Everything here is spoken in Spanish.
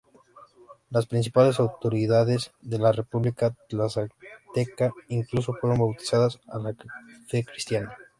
Las principales autoridades de la república tlaxcalteca, incluso fueron bautizados a la fe cristiana.